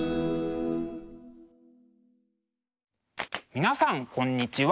皆さんこんにちは。